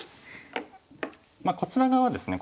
こちら側はですね